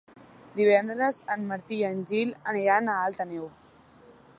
Divendres en Martí i en Gil aniran a Alt Àneu.